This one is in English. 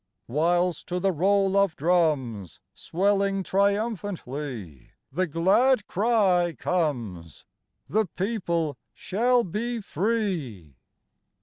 Whilst to the roll of drums Swelling triumphantly, the glad cry comes: The People shall be free!